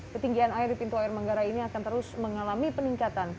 ketinggian air di pintu air manggarai ini akan terus mengalami peningkatan